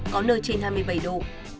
có nơi trên hai mươi bảy độ